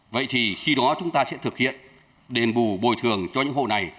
vậy thì khi đó chúng ta sẽ thực hiện đền bù bồi thường cho những hộ này